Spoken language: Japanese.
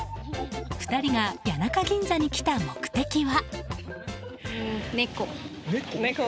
２人が谷中ぎんざに来た目的は。